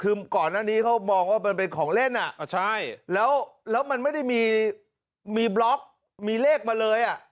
คือก่อนหน้านี้เขามองว่ามันเป็นของเล่นแล้วมันไม่ได้มีมีเวลามีเลขมาเลย